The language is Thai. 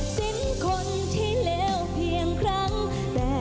สิ่งสุดท้ายดีกว่า